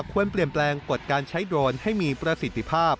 ควรเปลี่ยนแปลงกฎการใช้โดรนให้มีประสิทธิภาพ